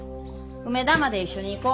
梅田まで一緒に行こ。